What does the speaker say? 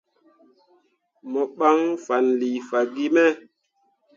Mo ɓan fanlii fanne gi me.